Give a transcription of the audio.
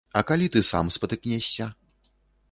А калі ты сам спатыкнешся?